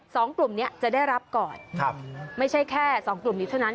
สองกลุ่มเนี้ยจะได้รับก่อนครับไม่ใช่แค่สองกลุ่มนี้เท่านั้น